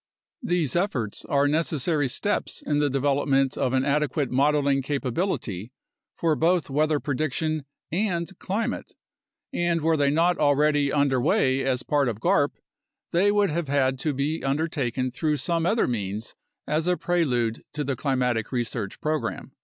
These efforts are necessary steps in the development of an adequate modeling capability for both weather prediction and climate, and were they not already under way as part of garp they would have had to be undertaken through some other means as a prelude to the climatic research program.